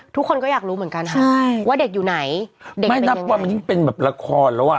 ทุกคนก็อยากรู้เหมือนกันว่าเด็กอยู่ไหนไม่นับว่ามันยังเป็นแบบละครแล้ว